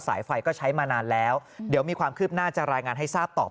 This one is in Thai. อืมคุณยายแล้วทำอย่างไรต่อวิ่งเลย